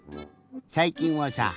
さいきんはさ